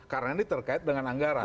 karena ini terkait dengan anggaran